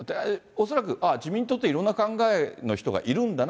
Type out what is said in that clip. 恐らくああ、自民党っていろんな考えの人がいるんだな。